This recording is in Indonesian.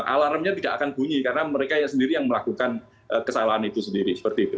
alarmnya tidak akan bunyi karena mereka yang melakukan kesalahan itu sendiri